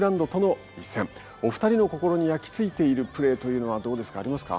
お二人の心に焼き付いているプレーというのはどうですかありますか？